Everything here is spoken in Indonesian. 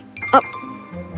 kau ingin topi ajaib ini